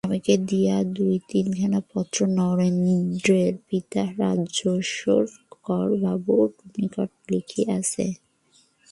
স্বামীকে দিয়া দুই-তিনখানা পত্র নীরেন্দ্রর পিতা রাজ্যেশ্বরবাবুর নিকট লিখিয়াছে।